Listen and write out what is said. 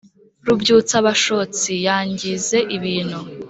rubyutsa bashotsi yangize ibintu